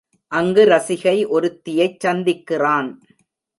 அங்கு ரசிகை ஒருத்தியைச் சந்திக்கிறான்.